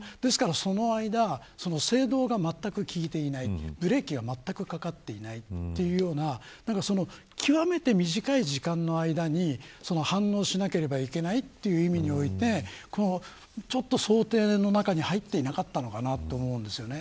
その間制動がまったく効いていないブレーキがまったく掛かっていないというような極めて短い時間の間に反応しなければいけないという意味において想定の中に入っていなかったのかなと思うんですよね。